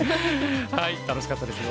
楽しかったですよ。